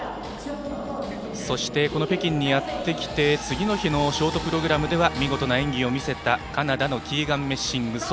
そして、北京にやってきて次の日のショートプログラムでは見事な演技を見せたカナダのキーガン・メッシング。